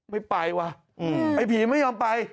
ไม่ไปว่ะไอ้ผีไม่ยอมไป